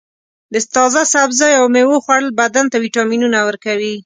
د تازه سبزیو او میوو خوړل بدن ته وټامینونه ورکوي.